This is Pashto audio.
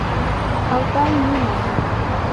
او دايې مينه ده.